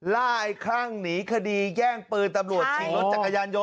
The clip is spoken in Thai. ล่าอีกครั้งหนีคดีแย่งปืนตำรวจถิ่งรถจักรยานโยน